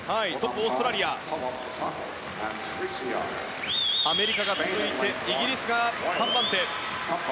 オーストラリアにアメリカが続いてイギリスが３番手。